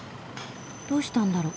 どうしたんだろう？